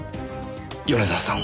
米沢さんを。